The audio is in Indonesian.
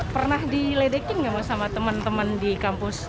pernah diledekin gak sama temen temen di kampus